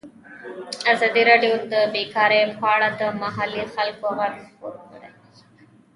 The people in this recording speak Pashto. ازادي راډیو د بیکاري په اړه د محلي خلکو غږ خپور کړی.